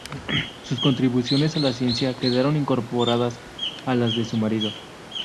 Sus contribuciones a la ciencia quedaron incorporadas a las de su marido.